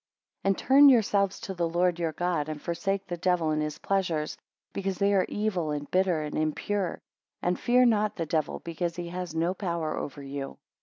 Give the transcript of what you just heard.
22 And turn yourselves to the Lord your God, and forsake the devil and his pleasures, because they are evil, and bitter, and impure. And fear not the devil, because he has no power over you.